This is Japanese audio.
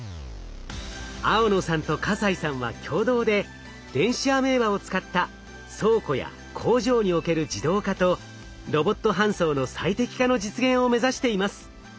青野さんと西さんは共同で電子アメーバを使った倉庫や工場における自動化とロボット搬送の最適化の実現を目指しています。